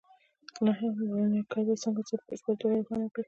نهم: ورنیر کالیپر څنګه وساتو؟ په بشپړه توګه یې روښانه کړئ.